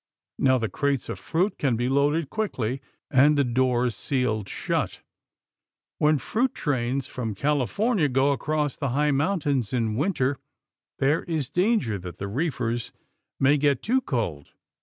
Now the crates of fruit can be loaded quickly, and the doors sealed shut. When fruit trains from California go across the high mountains in winter, there is danger that the reefers may get too cold.